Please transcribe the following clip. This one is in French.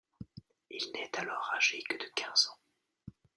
Il n'est alors âgé que de quinze ans.